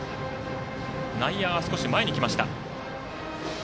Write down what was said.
内野は少し前に来ました。